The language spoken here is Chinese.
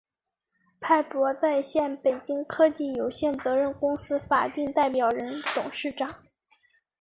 派博在线（北京）科技有限责任公司法定代表人、董事长